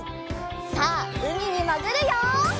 さあうみにもぐるよ！